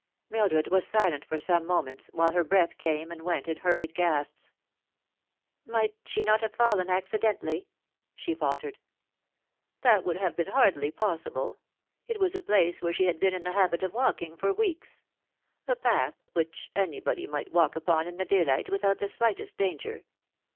Mildred was silent for some moments, while her breath came and went in hurried gasps. " Might she not have fallen accidentally ?" she faltered. " That would have been hardly possible. It was a place where she had been in the habit of walking for weeks a path which anybody might walk upon in the daylight without the slightest danger.